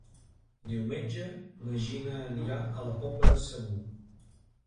Diumenge na Gina anirà a la Pobla de Segur.